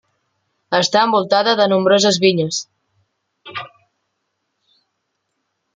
Està envoltada de nombroses vinyes.